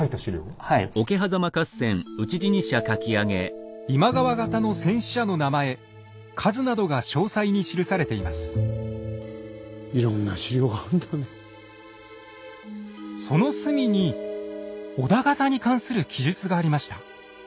その隅に織田方に関する記述がありました。